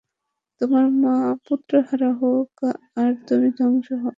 তোমার মা পুত্রহারা হোক আর তুমি ধ্বংস হও!